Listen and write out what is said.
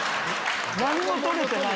何も撮れてない。